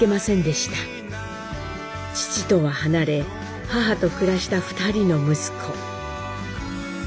父とは離れ母と暮らした２人の息子。